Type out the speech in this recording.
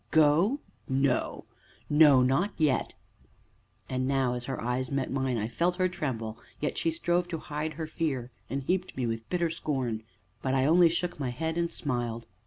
"Go no no, not yet!" And now, as her eyes met mine, I felt her tremble, yet she strove to hide her fear, and heaped me with bitter scorn; but I only shook my head and smiled.